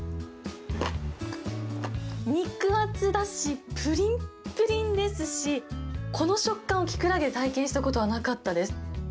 肉厚だし、ぷりんぷりんですし、この食感をきくらげで体験したことはなかったです。